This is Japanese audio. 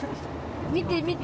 見て見て！